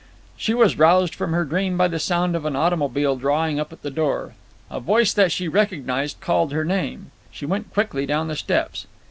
She was roused from her dream by the sound of an automobile drawing up at the door. A voice that she recognised called her name. She went quickly down the steps.